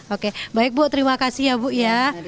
oke baik bu terima kasih ya bu ya